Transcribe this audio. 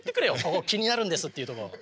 ここ気になるんですっていうとこ。